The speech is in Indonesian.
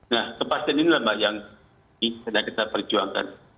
nah kepastian ini adalah yang sedang kita perjuangkan